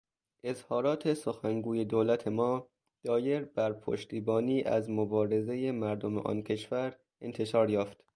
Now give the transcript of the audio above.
اظهارات سخنگوی دولت ما دایر بر پشتیبانی از مبارزهٔ مردم آن کشور انتشار یافت.